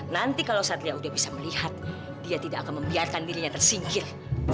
nanti kalau satria udah bisa melihat dia tidak akan membiarkan dirinya tersingkir